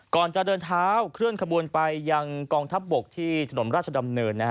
ก่อนจะเดินเท้าเคลื่อนขบวนไปยังกองทัพบกที่ถนนราชดำเนิน